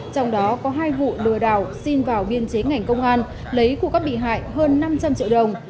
trong đó có hai vụ lừa đảo xin vào biên chế ngành công an lấy của các bị hại hơn năm trăm linh triệu đồng